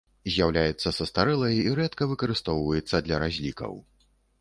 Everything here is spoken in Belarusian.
З'яўляецца састарэлай і рэдка выкарыстоўваецца для разлікаў.